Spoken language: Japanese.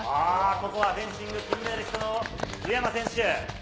ここはフェンシング金メダリストの宇山選手。